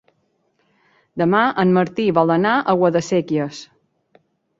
Demà en Martí vol anar a Guadasséquies.